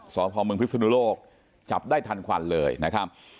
สวทธวงศ์เมืองพิษณุโลกจับได้ทันควันเลยนะครับ